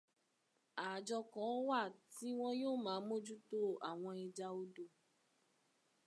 Àjọ kan tí wà tí wọ́n yóò ma mójútó àwọn ẹja odò.